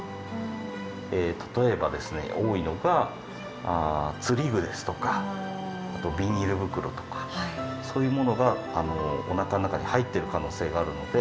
例えばですね多いのが釣り具ですとかあとはビニール袋とかそういうものがおなかの中に入ってる可能性があるので。